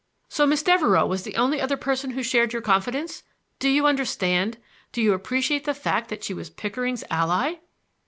"So Miss Devereux was the other person who shared your confidence! Do you understand,—do you appreciate the fact that she was Pickering's ally?"